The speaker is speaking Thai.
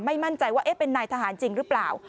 มั่นใจว่าเป็นนายทหารจริงหรือเปล่า